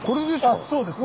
あそうですね。